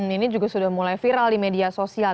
ini juga sudah mulai viral di media sosial